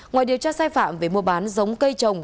ngoài điều tra sai phạm về mua bán giống cây trồng